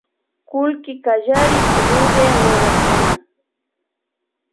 Kullki kallarik rurya wawakuna